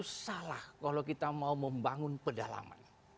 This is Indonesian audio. salah kalau kita mau membangun pedalaman